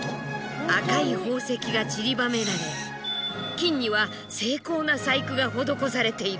赤い宝石がちりばめられ金には精巧な細工が施されている。